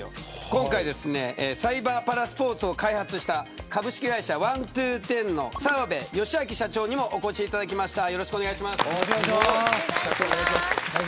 今回サイバーパラスポーツを開発した株式会社ワントゥーテンの澤邊芳明社長にもお越しいただきました。